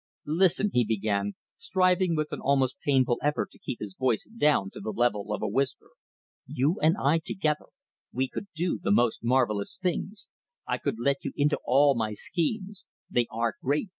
"Listen," he began, striving with an almost painful effort to keep his voice down to the level of a whisper, "you and I together, we could do the most marvellous things. I could let you into all my schemes. They are great.